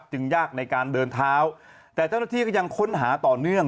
ยากในการเดินเท้าแต่เจ้าหน้าที่ก็ยังค้นหาต่อเนื่อง